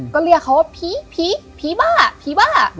ก็เรียกเขาว่าผีผีบ้าผีบ้า